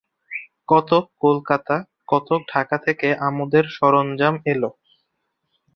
কতক কলকাতা, কতক ঢাকা থেকে আমোদের সরঞ্জাম এল।